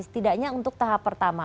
setidaknya untuk tahap pertama